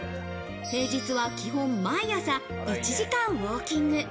平日は基本毎朝１時間ウォーキング。